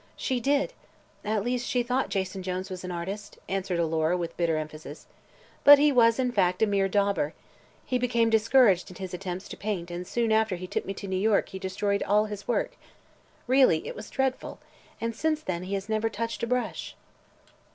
"She did. At least, she thought Jason Jones was an artist," answered Alora with bitter emphasis. "But he was, in fact, a mere dauber. He became discouraged in his attempts to paint and soon after he took me to New York he destroyed all his work really, it was dreadful! and since then he has never touched a brush."